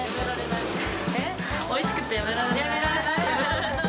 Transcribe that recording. おいしくてやめられない。